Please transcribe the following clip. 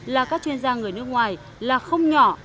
là các chuyên gia người nước ngoài là không nhỏ